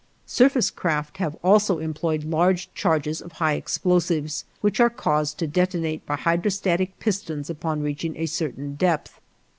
Surface craft have also employed large charges of high explosives, which are caused to detonate by hydrostatic pistons upon reaching a certain depth.